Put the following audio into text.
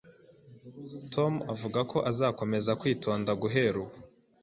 Tom avuga ko azakomeza kwitonda guhera ubu